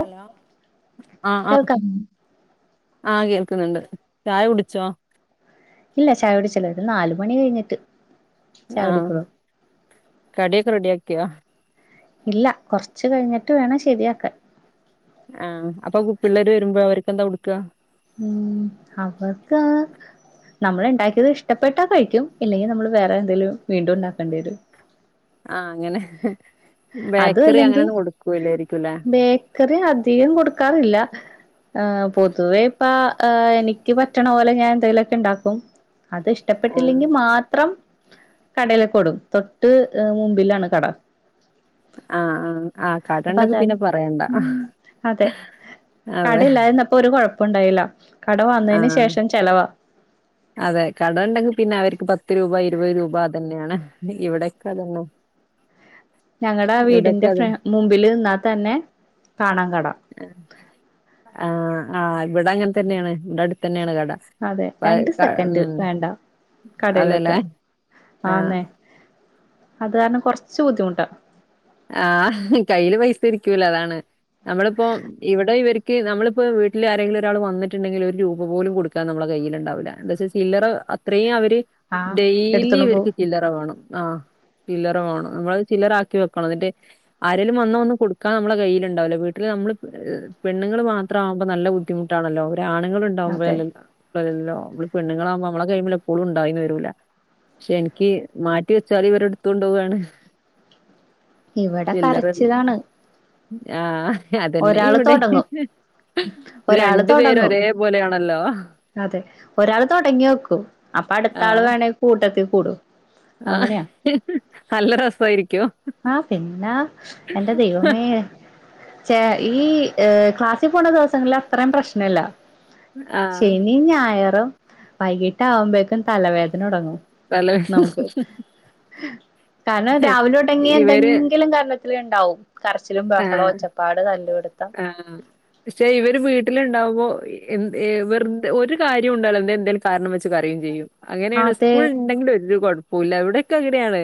Hello ആഹ് ആഹ് കേൾക്കാമോ ആഹ് കേൾക്ന്ന്ണ്ട് ചായ കുടിച്ചോ? ഇല്ല ചായ കുടിച്ചില്ല ഒര് നാല് മണി കഴിഞ്ഞിട്ട് ചായ ആഹ് കുടിക്കുള്ളൂ കടിയോക്കെ റെഡി ആക്കിയോ? ഇല്ല കോർച്ച് കഴിഞ്ഞിട്ട് വേണം ശരിയാക്കാൻ ആഹ് അപ്പൊ പിള്ളേര് വരുമ്പോ അവർക്കെന്താ കൊടുക്ക? ഉം അവർക്ക് നമ്മള് ഇണ്ടാക്കിയത് ഇഷ്ടപ്പെട്ടാ കഴിക്കും ഇല്ലെങ്കി നമ്മള് വേറെ എന്തെലും വീണ്ടും ഇണ്ടാക്കേണ്ടിരും ആഹ് അങ്ങനെ അതും ബേക്കറി അങ്ങനെ ഒന്നും കൊടുക്കൂല്ലെ ഇരിക്കുംല്ലേ? ക്കറി അധികം കൊടുക്കാറില്ല ഏഹ് പൊതുവെ ഇപ്പ എനിക്ക് പറ്റ്ണ പോലെ ഞാൻ എന്തെങ്കിലോക്കെ ഇണ്ടാക്കും. അത് ആഹ് ഇഷ്ടപ്പെട്ടില്ലെങ്കി മാത്രം കടയിലൊക്കെ ഓടും തൊട്ട് മുമ്പിലാണ് കട ആഹ് ആഹ് ആഹ് അപ്പൊ കാടണ്ടൊങ്കി അതാണ് പിന്നെ പറയണ്ട ഉം അതെ എന്നപ്പോ ഒരു കോഴപ്പുണ്ടായില്ല കട വന്നതിന് ആഹ് ശേഷം ചെലവാ അതെ കട ഇണ്ടെങ്കി പിന്നെ അവർക്ക് പത്ത് രൂപ ഇരുപത് രൂപ അതന്നെണ് ഇവിടെക്കെ അതന്നെ ഉ ഞങ്ങൾടെ വീടിന്റെ ഫ്ര മുമ്പില് നിന്നാ തന്നെ കാണാ കട ആഹ് ആഹ് ഇവടെ അങ്ങൻ തന്നെണ് ഇവടെ അട്ത്ത് തന്നെണ് കട അതെ പ- രണ്ട് ക- സെക്കന്റ് ഉം വേണ്ട അതെല്ലേ കടയിലത്താൻ ആഹ് ആന്നെ അത് കാരണം കോർച്ച് ബുദ്ധിമുട്ട ആഹ് കയ്യില് പൈസ ഇരിക്കൂല അതാണ് നമ്മളിപ്പോ ഇവിടെ ഇവര് ക്ക് നളിപ്പോൾ വീട്ടിൽ ആരെങ്കിലും ഒരാൾ വന്നിട്ടുണ്ടെങ്കിൽ ഒരു രൂപ പോലും കൊടുക്കാ നമ്മള കയിയിലുണ്ടാവില്ല എന്ത് വച്ചാൽ സില്ലറ അത്രയും അവര് ആഹ് ഡെയിലി എടുത്തോണ്ട് ഇവർക്ക് പോവും ചില്ലറ വേണം ആഹ് ചില്ലറ വേണം നമ്മള് ചില്ലറാക്കി വെക്ക എന്നിട്ട് ആരേലും വന്ന ഒന്നും കൊടുക്കാൻ നമ്മുടെ കയ്യിലുണ്ടാവ്ല്ല വീട്ടില് നമ്മള് പെണ്ണുൾ മാ ത്ര ആകുമ്പോ നല്ല ബുദ്ധിമുട്ടാണല്ലോ ഒരു അതെ ആണുങ്ങളുണ്ടാവുമ്പഴല്ലേ [unintelligible] നമ്മള് പെണ്ണുങ്ങളാകുമ്പോ നമ്മളെ കയ്യ്‌മ്മല് എപ്പോളും ഉണ്ടായിന്ന് വരൂല്ല പക്ഷെ എനിക്ക് മാറ്റി വെച്ചാല് ഇവരെ എടുത്ത് കൊണ്ട് പോവാണ് ഇവടെ കരച്ചിലാണ് ആഹ് അതെന്നെ ഒരാള് ഇവടിം തൊടങ്ങും ഇത് ഒരാള് രണ്ടു പേര് തൊടങ്ങും ഒരേ പോലെയാണല്ലോ അതെ ഒരാൾ തൊടങ്ങി വെക്കൂ അപ്പൊ അടുത്ത ആള് ആഹ്. വേണമെങ്കിൽ കൂട്ടത്തിൽ കൂടൂ ആഹ്. അങ്ങനെയാ നല്ല രസായിരിക്കും. ആഹ് പിന്നെ എന്റെ ദൈവം മ [unintelligible] ചേ ഈ ക്ലാസ്സിൽ പോണ ദിവസങ്ങളിൽ അത്രയും പ്രശ്നല്ല ആഹ്. ശനിം ഞായറും വൈകിട്ടാവുമ്പേക്കും തലവേദന തുടങ്ങും പല നമുക്ക് [unintelligible] കാരണം രാവിലെ ഉടങ്ങിയ ഇവര് എന്തെങ്കിലും കരണത്തില് ഉണ്ടാവും കരച്ചിലും ആഹ് ബഹളവും ഒച്ച തല്ലിടുത്താം ആഹ് പക്ഷെ ഇവർ വീട്ടില്ണ്ടാവുമ്പോ എ ന് വെർതെ ഒരു കാര്യം ഉണ്ടാവ്ല എന്ത എന്തേലും കാരണം വെച്ച് കരയും ചെയ്യും അങ്ങനെയാണ് അതെ സ്കൂള് ഉണ്ടെങ്കിൽ ഒരു കുഴപ്പൊല്ല എവിടെക്കെ അങ്ങനെയാണ്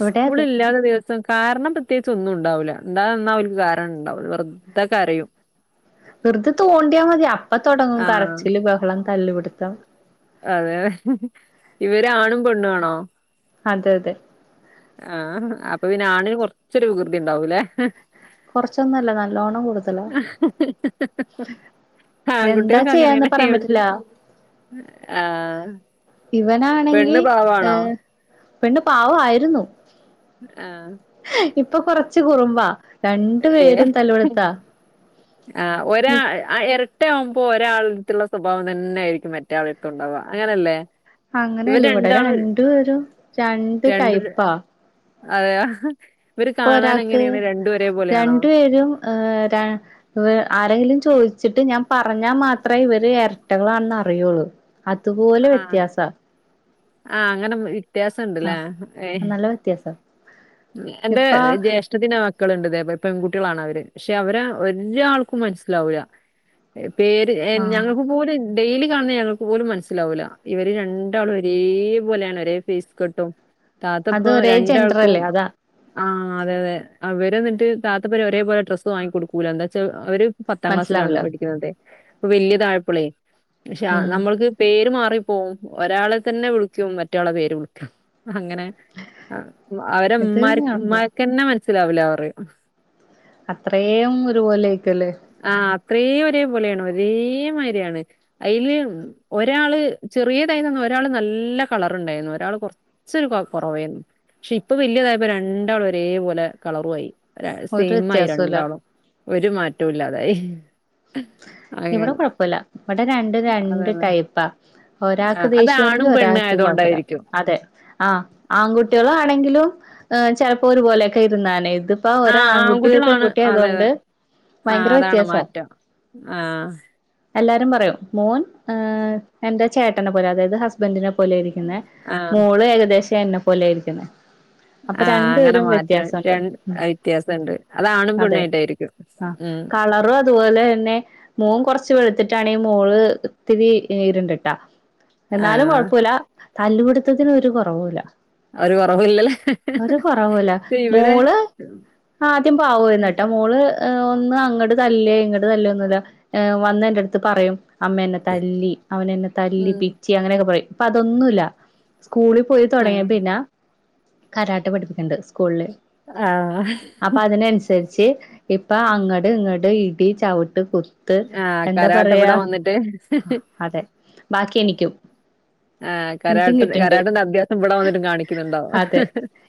ഇവിടെ അതെ സ്കൂളില്ലാത്ത ദിസം കാരണം പ്രത്യേകിച്ച് ഒന്നും ഉണ്ടാവൂല്ല എന്താന്നാ അവർക്ക് കാരണം ഇണ്ടാവില്ല വെർതെ കരയും വെറ്തെ തോണ്ടിയാൽ മതി അപ്പ തൊടങ്ങും ആഹ്. കറച്ചില് ബഹളം തല്ലുപിടുത്തം അതെതെ ഇവരാ ആണും പെണ്ണും ആണോ അതെ അതെ ആഹ് അപ്പൊ പിനാണിന് കൊർച്ചൊരു വികൃതി ഉണ്ടാവൂല്ലേ കൊറച്ചൊന്നു അല്ല നല്ലോണം കുടുതലാ എന്താ ആൺകുട്ടികൾക്ക് ചെയ്യാന്ന് അങ്ങനെയാണ് പറയാൻ ഇവിടെ പറ്റില്ല ആഹ് ഇവനാണെങ്കി പെണ്ണ് ഹ് പാവാണോ പെണ്ണ് പാവായിരുന്നു ആഹ് ഇപ്പൊ കൊറച്ച് കുറുമ്പാ രണ്ട് ഏഹ് പേരും തല്ലുടത്താ ആഹ് ഒരാ ആ എരട്ട ആവുമ്പോ ഒരാളട്ത്തുള്ള സ്വഭാവം തന്നെ ആയിരിക്കും മറ്റേ ആളട്ത്തു ണ്ടാവാ അങ്ങനെല്ലേ അങ്ങനെയല്ലവിടെ രണ്ടൊരു രണ്ട് ടൈപ്പാ അതെയ ഇവര് ഇപ്പൊ കാണാൻ ഒരാക്ക് എങ്ങനെയാണ് രണ്ട് രണ്ടു പേരും ഏഹ് ര ആരെങ്കിലും ചോദിച്ചിട്ട് ഞാൻ പറഞ്ഞാൽ മാത്രമേ ഇവര് എരട്ടകളാണെന്ന് അറിയുള്ളൂ അതുപോലെ വ്യത്യാസ ആ അങ്ങനെ വ്യത്യാസണ്ട്ല്ലേ ഏ ക്കേ സാർ എന്റെ ജേഷ് ഷ്ടത്തിന് മക്കളുണ്ട് ഇതേ പോലെ പെൺകുട്ടികളാണ് അവര് പക്ഷെ അവര് ഒരാൾക്കും മനസ്സിലാവൂല്ല പേര് ആഹ് ഞങ്ങൾക്ക് പോലൻ ഡെയിലി കാണുന്ന ഞങ്ങക്ക് പോലും മനസ്സിലാവുല ഇവര് രണ്ടാളും ഒരേപോലേണ് ഒരേ ഫെയിസ് കെട്ടും അത് താത്തപ്പോ ഒരേ രണ്ടാൾക്കും ജെൻഡറല്ലേ അതാ ആ അതെ അതെ അവര് എന്നിട്ട് താത്തപരി വാടിയ പോലെ ഡ്രസ്സ് വാങ്ങി കൊടുക്കൂല എന്താ ച്ചാ അവര് പത്താം ക്ലാസ്സിലാണ് മനസ്സിലാവൂല പഠിക്കുന്നത് അപ്പൊവെല്യാ താഴപ്പളേ ക്ഷ ഉം നമ്മൾക്ക് പേര് മാറിപ്പോവും ഒരാളെ തന്നെ വിളിച്ചും മറ്റാളെ പേര് വിളിക്കും അങ്ങനെ അവരെ ഇത് ഇമ്മ പിന്നെ കൊഴപ്പല്ല ഇമ്മാര്ക്കന്നെ മനസ്സിലാവൂലപറയും അത്രേം ഒരുപോലൊയിക്കല്ലേ ആ അത്രയും ഒരേ പോലെയാണ് ഒരേമാരിയാണ് അയില് ഒരാള് ചെറേതായി ന്ന ന്നു ഒരാള് നല്ല കളർണ്ടായിരുന്നു ഒരാൾ കൊർച്ച് ഇച്ച് കുറവേന്നു പക്ഷെ ഇപ്പൊ വലിയതായപ്പോ രണ്ടാളും ഒരേ പോലെ കളറു വായി ഒരു സെയിമായി വ്യത്യാസവുല്ല രണ്ടാളും ഒരു മാറ്റവുല്ലാതായി ഇവിടെ കുഴപ്പല്ല ഇവിടെ രണ്ട് രണ്ട് അതാണ് ടൈപ്പാ ഒരാൾക്ക് ആഹ് അത് ദേഷ്യാണെങ്കി ആണും ഒരാള പെണ്ണും ത്ത് ക്കൊഴപ്പല്ല ആയതുകൊണ്ടായിരിക്കും അതെ അ ആൺകുട്ടിളാണെങ്കിലും ചലപ്പോ ഒരുപോലെയൊക്കെ ഇരുന്നാലെ ഇത് ഇപ്പൊ ഒരു ആഹ് ആൺകുട്ടി ഒരു ആൺകുട്ടികളാണ് പെൺകുട്ടി അതെ ആയതുകൊണ്ട് ആഹ് ഭയങ്കര അതാണ് വ്യത്യാസാ മാറ്റം ആഹ് എല്ലാരും പറയൂ മോൻ എന്റെ ചേട്ടനെ പോലെ അതായത് ഹസ്ബ ഹസ്ബന്റിനെ പോലെയിരിക്കുന്നെ ആഹ് മോള് ഏകദേശം എന്നെ പോലെയിരിക്കുന്നെ ആ അങ്ങനെ മാറ്റം രണ്ട് ഉം വ്യത്യാസണ്ട് അതാണും പെണ്ണോയിട്ടായിരിക്കും അ കളർ അതുപോലെ തന്നെ മോൻ കൊറച്ച് വെളുത്തിട്ടാണങ്കി മോള് ഇത്തിരി ഇര്ണ്ട് ട്ടാ എന്നാലും ആഹ് കൊഴപൂല തല്ലൂടത്തത്തിന് ഒരു കുറവുല്ല ഒരു കൊറവുല്ല ഒരു കൊറവൂല ഇവരെ മോള് ആദ്യം പാവുയ് ന്ന്ട്ടാ മോള് ഒന്ന് അങ്ങണ്ട് ത ല്ലേ ഇങ്ങട്ട് തല്ല് ഒന്നുല്ല വന്ന എന്റെ ട് ത്ത്പറയും അമ്മ എന്നെ തല്ലി അവനെ എന്നെ ഉം. തല്ലിപിച്ചി അങ്ങനെയൊക്കെ പറയും ഇ പ്പൊ അതൊന്നുല്ല സ്കൂളിൽ പോയി ആ തൊടങ്ങിയ പിന്നെ കരാട്ടപഠിപ്പിക്ക്ണ്ട് സ്കൂളില് ആ അപ്പൊ അതിനനുസരിച്ച് ഇപ്പ അങ്ങട് ഇങ്ങട് ഇടി ചവിട്ട് കുത്ത് ആ എന്താ കരാട്ടെ പറയാ ഇവിടെ വന്നിട്ട് അതെ ബാക്കി എനിക്കും ആ എനിക്കും കരാട്ട കിട്ടണ്ട് കരാട്ടന്റെ അഭ്യാസം ഇവിട വന്നിട്ട് കാണിക്കുന്നുണ്ടാവോ അതെ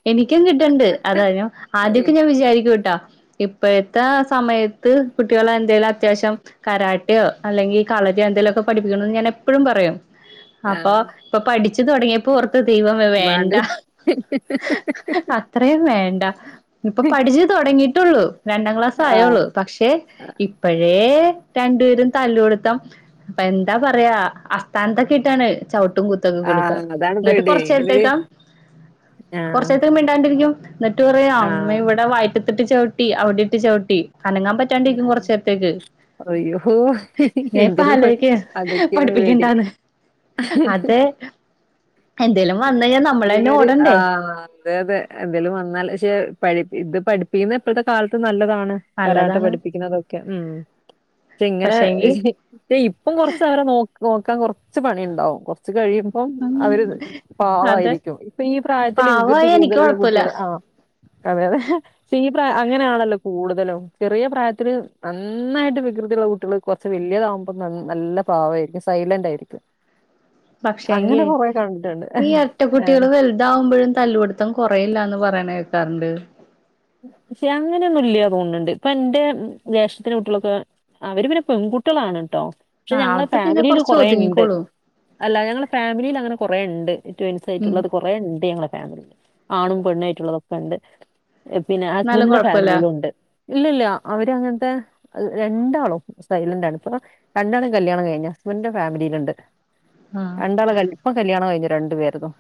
എനിക്കും കിട്ടണ്ട് അതായ് നു ഏയ്, ആദ്യക്കെ ഞാൻ വിചാരിക്കുട്ടാ ഇപ്പോഴത്തെ സമയത്ത് കുട്ടികളെഎന്തേലും അത്യാവശ്യം കരാട്ടിയോ അല്ലെങ്കി കളരി യൊ എന്തേലൊക്കെ പഠിപ്പിക്കണന്ന് ഞാൻ എപ്പഴും പറയും ആ അപ്പൊ ഇപ്പൊ പഠിച്ചു തുടങ്ങിയപ്പോ ഓർത്ത് ദൈവമേ വേണ്ട അത്രയും വേണ്ട ഇപ്പൊ പഠിച്ചു തുടങ്ങിയിട്ടുള്ളൂ രണ്ടാം ക്ലാസ് ആ ആയുള്ളൂ പക്ഷേ ഇപ്പഴേ രണ്ടുപേരും തല്ല് പിട്ത്തം അപ്പൊ എന്താ പറയാ അസ്ഥാനത്തൊക്കെയിട്ടാണ് ചവിട്ടും കു ത്തൊക്കെ ആ കൊടുക്ക അതാണ് എന്നിട്ട് പേടി കുറ്ച്ച ഇവര് ത്തേക്ക ആ കൊറച്ചേരത്തേക്ക് മിണ്ടാണ്ടിരിക്കും എന്നിട്ട് പറയും ആ അമ്മേ ഇവിടെ വയറ്റത്തിട്ട് ചവിട്ടി അവിടെ ഇട്ട് ചവിട്ടി അനങ്ങാൻ പറ്റ റ്റാണ്ടരിക്കും കൊറചേരത്തേക്ക് അയ്യോ ഞപ്പ എന്തേലും പ- അതൊക്കെയാണ് പേടി ആലോയ്ക്കപഠിപ്പിക്കണ്ടാന്ന് അതെ എന്തേലും വന്ന്കഴിഞ്ഞാ നമ്മളെന്നെ ഓടണ്ടേ ആഹ് അതെ അതെഎന്തേലും വന്നാൽ ക്ഷെ പഠി ഇത് പഠിപ്പിക്കുന്ന ഇപ്പോഴത്തെ കാലത്ത് നല്ലതാണ് കരാട്ട നല്ലതാണ് പഠിപ്പിക്കുന്നതൊക്കെ ഉം ഷേ ഇങ്ങനെ പക്ഷെങ്കി പേ ഇപ്പം കൊറച്ച് അവരെ നോ നോക്കാൻ കൊറച്ച് പണിണ്ടാവും കൊറച്ച് കഴിയുമ്പം അവര് അതെ പാവായിരിക്കും ഇപ്പൊ ഈ പ്രായത്തില് വികൃതി പാവായ എനിക്ക് കൂടുതലുള്ള കൊഴപ്പല്ല കുട്ടികള് ആ അതെ അതെ പ്പ ഈ പ്രാ അങ്ങനെയാണല്ലോ കൂടുതലും ചെറിയ പ്രായത്തില് നന്നായിട്ട് വികൃതിയുള്ള കുട്ടികള് കുറച്ച് വല്യതകുമ്പോ ന നല്ല പാവയിരിക്കും സൈലന്റ് ആയിരിക്കും അങ്ങനെ പക്ഷെങ്കി കൊറേ കണ്ട്ണ്ട് ഈ എരട്ടക്കുട്ട്യാള് വലുതകുമ്പഴും തല്ലുപിടുത്തം കുറയില്ലാന്ന് പറയ്ണ്കേക്കാറ്ണ്ട് ക്ഷെ അങ്ങനെന്നും ഇല്ല്യ തോൺണ് ണ്ട് പ്പൊ ന്റെ ജേഷ്ഠത്തിന്റെ കുട്ട്യാളൊക്കെ അവര് പിന്നെ പെൺകുട്ട്യാളാണ് ട്ടോ ക്ഷെ ആഹ് ഞങ്ങളെ അത് പിന്നെ ഫാമിലിയില് കൊറച്ച് കുറെണ്ട് ഒതുങ്ങിക്കോളും അല്ല ഞങ്ങളെ ഫാമിലില് അങ്ങനെ കൊറേണ്ട് ട്യൂൻസ് ഉം ആയിട്ടുള്ളത് കൊർ കൊറേണ്ട് ഞങ്ങളെ ഫാമിലീല് ആണും പെണ്ണും ആയ്റ്റ്ള്ളതൊക്കെണ്ട് ഹ് പിന്നെ എന്നാലും ഹസ്ബന്റിന്റെ കൊഴപ്പല്ല ഫാമിലിലുണ്ട് ഇല്ലല്ല അവരങ്ങൻത്തെ രണ്ടാളും സൈലൻന്റ് ആണ് ഇപ്പൊ രണ്ടാളേം കല്യാണം കഴിഞ്ഞ രണ്ട് ഫാമിലിയില്ണ്ട് ആഹ് രണ്ടാള് കല് പ്പ കല്യാണം കഴിഞ്ഞ രണ്ടു പേര്തും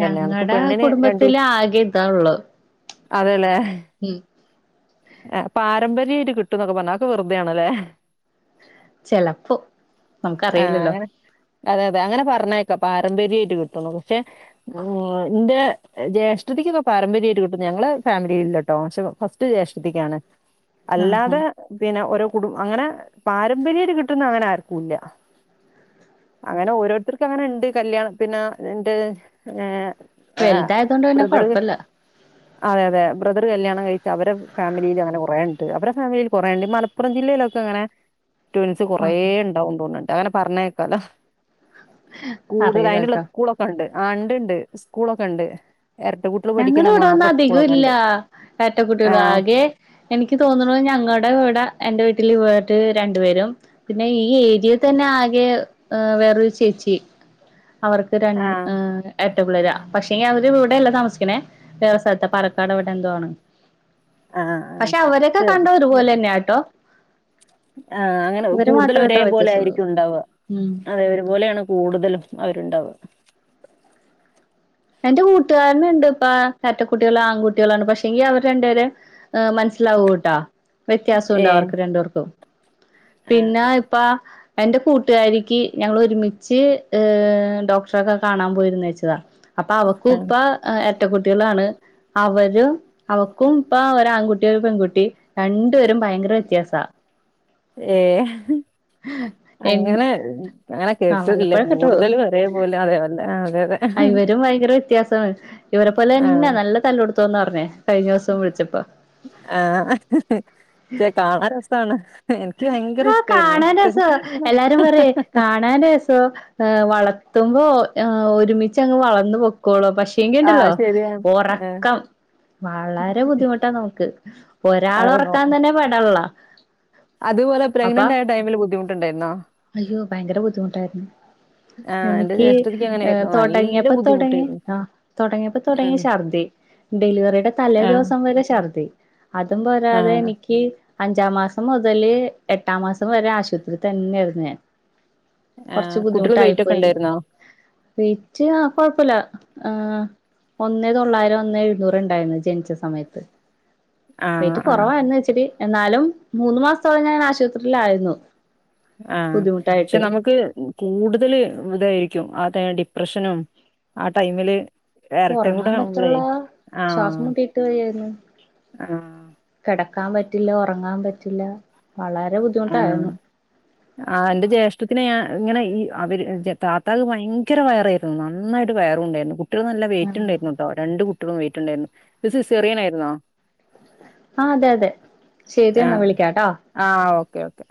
ഞങ്ങടെ കുടുംബത്തില് ആകെ ഇതാള്ളത് അതേല്ലേ ഉം എ പാരമ്പര്യായ്ട്ട് കിട്ടും ന്നൊക്കെ പറഞ്ഞ് അതൊക്കെ വേറ്തേണ് ലേ ചെലപ്പോ നമുക്ക് അറിയില്ലല്ലോ അതെ അതെ അങ്ങനെ പറഞ്ഞേക്കാ പാരമ്പര്യയിട്ട് കിട്ടു ന്നൊക്കെ പക്ഷെ ആ എന്റെ ജ്യേഷ്ഠത്തിക്കൊക്കെ പാരമ്പര്യായ്ട്ട് കിട്ട് ഞങ്ങ്ളെ ഫാമിലിലില്ലട്ടോ പക്ഷെ ഫസ്റ്റ് ജേഷ്ഠത്തിക്കാണ് ആഹ് അല്ലാതെ ആഹ് പിന്നെ ഒര് കുടു അങ്ങനെ പാരമ്പര്യായിട്ട് കിട്ടുന്ന അങ്ങനെ ആര്ക്കുല്ല്യ അങ്ങനെ ഓരോരുത്തർക്ക് അങ്ങനെണ്ട് കല്യാണ പിന്നെ ണ്ട് ഏ വൽതായതോണ്ട് പിന്നെ കൊഴ്പ്പല്ല അതെ അതെ ബ്രദർ കല്യാണം കഴിക്ക അവരെ ഫാമിലിയില് അങ്ങനെ കൊറേണ്ട് അവരെ ഫാമിലിൽ കുറേണ്ട് മലപ്പുറം ജില്ലയിലൊക്കെങ്ങനെ ട്വിൻസ് കൊറേ ആഹ് ണ്ടാവും തോന്ന്ണ്ട് അങ്ങനെ പർഞ്ഞേക്കാലോ കൂടുത അറിയില്ല അയിന്ള്ള കേട്ടോ സ്കൂളൊക്കെണ്ട് ആണ്ട്ണ്ട് സ്കൂളൊക്കെണ്ട് എരട്ട കു ഞങ്ങട വ്ടെ ഒന്ന് അധികോം ല്ല്യാ എര്ട്ട ആ കുട്ട്യള് ആകെ ഏ എനിക്ക് തോന്ന്ണത് ഞങ്ങടെ വ്ടെ എന്റെ വീട്ടില് വീട്ട്ല് രണ്ടുപേരും പിന്നെ ഈ ഏരിയയിൽ തന്നെ ആകെ വേറൊരു ചേച്ചി അവർ ഇത് ആ രണ്ട് എ എര്ട്ട പിള്ളെരാ പക്ഷെങ്കി അവര് ഇവിടെയല്ല താമസി ക്ണെ വേറെ സ്ഥൽത്ത പാലക്കാടവ്ടെ എന്തോ ആണ് ആ ആ പക്ഷെ അവരൊക്കെ ഇത്, കണ്ട ഒരു പോലെന്നെട്ടോ ആ അങ്ങനെ കൂടുതല് മാത്രേ ഒരേ ഇത്ര പോലെ വ്യത്യാസൊള്ളൂ ആയിരിക്കും ഉണ്ടാവ ഉം അതെ ഒരുപോലെയാണ് കൂട്തലും അവരുണ്ടാവ എന്റെ കൂട്ടുകാര്ന്ണ്ട് പ്പാ എര്ട്ടക്കുട്ട്യാള് ആൺകുട്ടിളാണ് പക്ഷെങ്കി അവര് രണ്ടുപേരെ ഏ മൻസ്സ്ലാവൂട്ടാ ഏ വ്യത്യാസണ്ട് അവർക്ക് രണ്ട് പേർക്കും ആ പിന്നെ ഇപ്പാ എന്റെ കൂട്ടുകാരിക്ക് ഞങ്ങള് ഒരുമിച്ച് ഡോക്ടറൊക്കെ കാണാൻ പോയിരുന്നേച്ചതാ അപ്പൊ അവക്കു ആ ആ. പ്പ ഏ എര്റ്റ കുട്ടികളാണ് അവര് അവക്കും ഇപ്പ ഒരു ആൺകുട്ടി ഒരു പെൺകുട്ടി രണ്ടുപേരും ഭയങ്കര വ്യത്യാസാ ഏ എൻ അങ്ങനെ അങ്ങനെ ആഹ് കേട്ട്ട്ട്ല്ല്യ വല്ലപ്പോഴൊക്കെ കൂടുതലും അതേപലെ അതെ അല്ലെ ആ അതെ അതെ ആ ഇവരും ഭയങ്കര വ്യത്യാസമാണ് ഇവരെ ആ പോലെന്നെ നല്ല തല്ലുട്ത്തോന്നർഞ് കഴ്ഞ്ഞോസം വിൾച്ചപ്പോ ആ ചേ കാണ രസാണ് എൻക്ക് ഭയങ്കര ആഹ് ഇഷ്ടായിരുന്നു കാണാൻ രസാ എല്ലാരും പറയും കാണാൻ രസോ ഏ വളർത്തുമ്പോ ഏ ഒരുമിച്ചങ്ങ് വളർന്നു പൊക്കോളും പക്ഷേങ്കി ആ ഉണ്ടല്ലോ ശരിയാണ് ഒറക്കം വളരെ ബുദ്ധിമുട്ടാ നമുക്ക് ഒരാളെ അവരെ നോ ഒറക്കാൻ തന്നെ പെടള്ള അതുപോലെ അപ്പാ പ്രഗ്നന്റ് ആയ ടൈമിൽ ബുദ്ധിമുട്ടുണ്ടായിരുന്നോ? അയ്യോ ഭയങ്കര ബുദ്ധിമുട്ടായിരുന്നു ആ എന്റെ എനിക്ക് ജ്യേഷ്ഠത്തിക്ക് ഏ അങ്ങനെയായിരുന്നു. നല്ല തൊടങ്ങിയപ്പ തൊടങ്ങി ബുദ്ധിമുട്ടായിരുന്നു. ആ തൊടങ്ങിയപ്പ തൊടങ്ങി ഉം. ശർദി ഡെലിവറിയുടെ തലേ ആ, ദിവസം വരെ ശർദി അതും ആ, പോരാതെ എനിക്ക് അഞ്ചാം മാസം മുതല് എട്ടാം മാസം വരെ ആശുപത്രി തന്നെയിരുന്നു ഞാൻ ആ. കൊർച്ച് കുട്ടികള് ബുദ്ധിമുട്ടായി വെയിറ്റ് ഒക്കെ പോയി ഉണ്ടായിരുന്നോ? വൈറ്റ് ആ കൊഴപ്പല്ല ആ ഒന്നെ തൊള്ളായിരം ഒന്നെ എഴുന്നൂറ് ഇണ്ടായിരുന്നു ജനിച്ച സമയത്ത് ആ, വെയിറ്റ് ആ, കോറവായിന്ന് വെച്ചിട്ട് എന്നാലും മൂന്ന് മാസ്ത്തോളം ഞാൻ ആശുപത്രിയിലായിരുന്നു ആ പക്ഷെ ബുദ്ധിമുട്ടായിട്ട് നമുക്ക് കൂടുതല് ഇതായിരിക്കും ആ ഡിപ്രഷനും ആ ടൈമില് ഇരട്ടയും കൂടെ ഒറങ്ങാൻ ആവുമ്പളേ പറ്റ്ള്ള ആ, ശ്വാസം മുട്ടീട്ട് വയ്യായിരുന്നു ആ, കെടക്കാം പറ്റില്ല ഒറങ്ങാം പറ്റില്ല വളരെ ബു ആ ആ ഇന്റെ ജ്യേഷ്ഠത്തിന് ഞാൻ ഇങ്ങനെ ഈ അവര് താത്താക്ക് ഭയങ്കര വയറെ നന്നായിട്ട് വയറുണ്ടായിരുന്നു കുട്ടിയള് നല്ല വെയിറ്റ് ഇണ്ടായിരുന്നു ട്ടോ രണ്ട് കുട്ടിഴളും വെയിറ്റ് ഇണ്ടായിരുന്നു ഇത് സിസെറിയനായിരുന്നോ ആ അതെ അതെ ശരി എന്നാ വിളിക്കാട്ടാ ആ ഓക്കെ ഓക്കെ